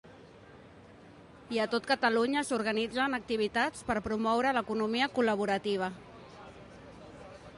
I a tot Catalunya s'organitzen activitats per promoure l'economia col·laborativa.